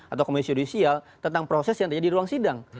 atau komisi judisial tentang proses yang terjadi di ruang sidang